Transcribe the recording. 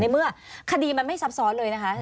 เมื่อคดีมันไม่ซับซ้อนเลยนะคะ